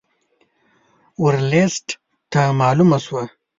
ورلسټ ته معلومه شوه.